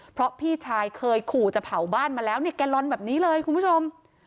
เพราะพี่ชายเคยขู่จะเผาบ้านมาแล้วเนี่ยแกลลอนแบบนี้เลยคุณผู้ชม